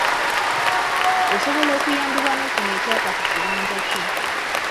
Osobola okuyambibwa n'ofuna ekyapa ku kibanja kyo.